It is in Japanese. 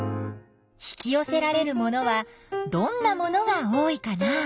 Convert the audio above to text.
引きよせられるものはどんなものが多いかな？